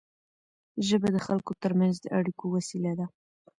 ژبه د خلکو ترمنځ د اړیکو وسیله ده.